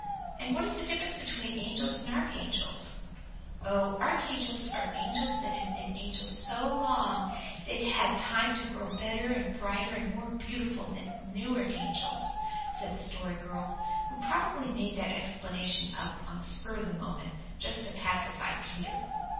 And what is the difference between angels and archangels?" "Oh, archangels are angels that have been angels so long that they've had time to grow better and brighter and more beautiful than newer angels," said the Story Girl, who probably made that explanation up on the spur of the moment, just to pacify Peter.